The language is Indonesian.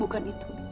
bukan itu bi